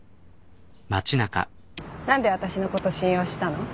何で私のこと信用したの？